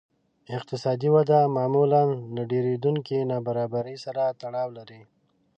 اقتصادي وده معمولاً له ډېرېدونکې نابرابرۍ سره تړاو لري